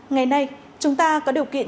ngày nay chúng ta có điều kiện